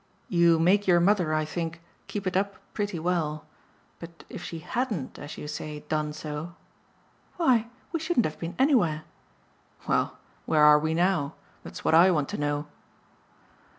"You make your mother, I think, keep it up pretty well. But if she HADN'T as you say, done so ?" "Why we shouldn't have been anywhere." "Well, where are we now? That's what I want to know."